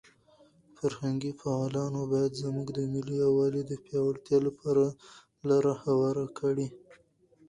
فرهنګي فعالیتونه باید زموږ د ملي یووالي د پیاوړتیا لپاره لاره هواره کړي.